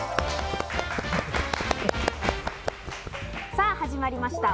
さあ、始まりました